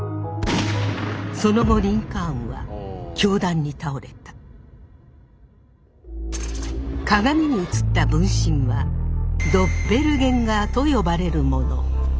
その後リンカーンは鏡に映った分身はドッペルゲンガーと呼ばれるもの。